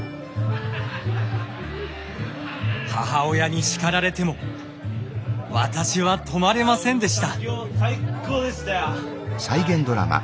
母親に叱られても私は止まれませんでした。